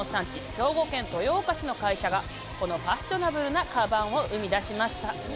兵庫県豊岡市の会社がこのファッショナブルなカバンを生み出しました。